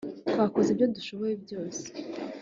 Twakoze ibyo dushoboye byose